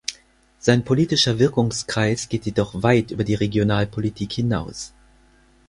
Sein politischer Wirkungskreis geht jedoch weit über die Regionalpolitik hinaus.